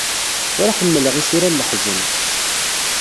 Ur ḥemmleɣ isura n leḥzen.